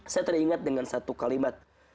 saya teringat dengan satu kalimat